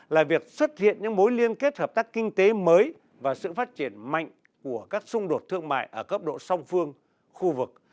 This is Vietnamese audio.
là việc xuất hiện những mối liên kết hợp tác kinh tế mới và sự phát triển mạnh của các xung đột thương mại ở cấp độ song phương khu vực